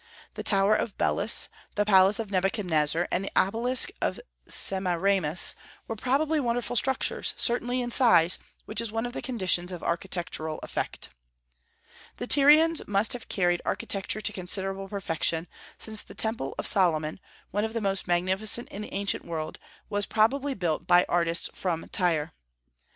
The tower of Belus, the Palace of Nebuchadnezzar, and the Obelisk of Semiramis were probably wonderful structures, certainly in size, which is one of the conditions of architectural effect. The Tyrians must have carried architecture to considerable perfection, since the Temple of Solomon, one of the most magnificent in the ancient world, was probably built by artists from Tyre.